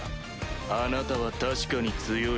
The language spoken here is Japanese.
あなたは確かに強い。